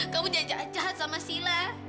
kamu jangan jalan jalan sama silla